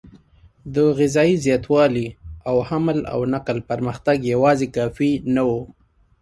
د غذایي زیاتوالي او حمل او نقل پرمختګ یواځې کافي نه و.